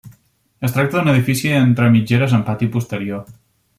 Es tracta d'un edifici entre mitgeres amb pati posterior.